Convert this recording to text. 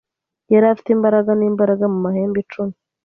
Yari afite imbaraga n'imbaraga mu mahembe icumi